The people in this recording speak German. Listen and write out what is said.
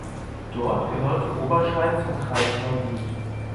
Dort gehörte Oberscheid zum Kreis Neuwied.